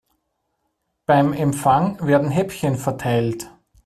Beim Empfang werden Häppchen verteilt.